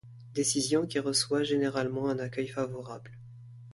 Décision qui reçoit généralement un accueil favorable.